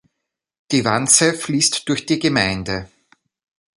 Die Wandse fließt durch die Gemeinde.